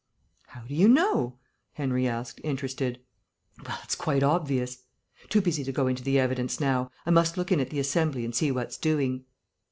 "How do you know?" Henry asked, interested. "Well, it's quite obvious. Too busy to go into the evidence now. I must look in at the Assembly and see what's doing...."